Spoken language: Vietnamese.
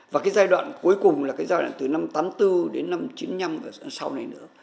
và cái giai đoạn cuối cùng là cái giai đoạn từ năm tám mươi bốn đến năm chín mươi năm ở lần sau này nữa